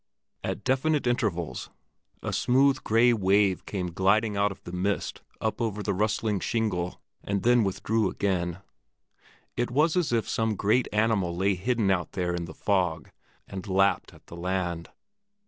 At definite intervals a smooth, gray wave came gliding out of the mist up over the rustling shingle, and then withdrew again; it was as if some great animal lay hidden out there in the fog, and lapped at the land.